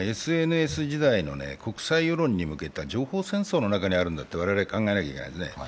今、ＳＮＳ時代の国際世論に向けた情報戦争の中にあるんだと我々は考えなければいけない。